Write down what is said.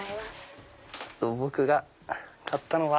僕が買ったのは。